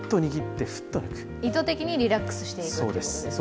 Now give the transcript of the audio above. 意図的にリラックスしていくということですね。